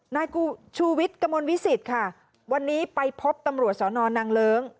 นายชูวิทย์กระมวลวิสิตค่ะวันนี้ไปพบตำรวจสอนอนนางเลิ้ง